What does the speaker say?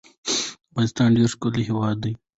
افغانستان ډیر ښکلی هیواد ده